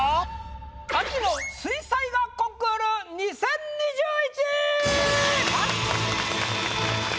秋の水彩画コンクール２０２１！